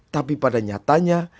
tapi pada nyatanya